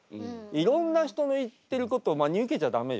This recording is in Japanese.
いろんな人の言ってることを真に受けちゃ駄目よ。